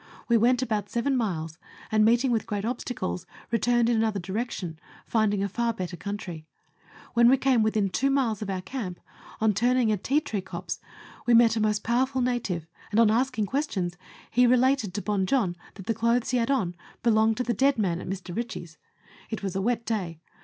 We went about seven miles, and, meeting with great obstacles, returned in another direction, finding a far better country. When we came within two miles of our camp, on turning a tea tree copse, we met a most powerful native, and on asking questions, he related to Bon Jon that the clothes he had on belonged to the dead man at Mr. Ritchie's. It was a wet day.